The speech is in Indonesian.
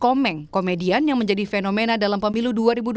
komeng komedian yang menjadi fenomena dalam pemilu dua ribu dua puluh